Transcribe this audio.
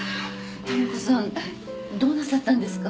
民子さんどうなさったんですか？